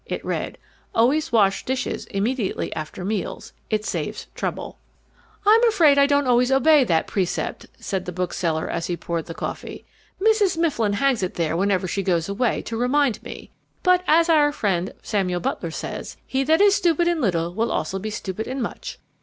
It read: ALWAYS WASH DISHES IMMEDIATELY AFTER MEALS IT SAVES TROUBLE "I'm afraid I don't always obey that precept," said the bookseller as he poured the coffee. "Mrs. Mifflin hangs it there whenever she goes away, to remind me. But, as our friend Samuel Butler says, he that is stupid in little will also be stupid in much.